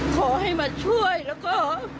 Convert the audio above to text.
ขอให้มาช่วยแล้วก็